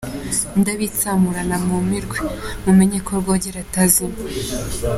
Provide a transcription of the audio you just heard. Ndabitsamurana mwumirwe, mumenye ko Rwogera atazimye!